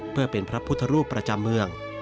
เพื่อเป็นพระพุทธรูปประจำเมือง